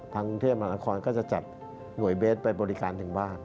กรุงเทพมหานครก็จะจัดหน่วยเบสไปบริการถึงบ้าน